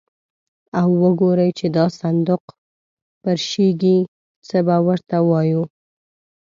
او وګوري چې دا صندوق پرشېږي، څه به ور ته وایو.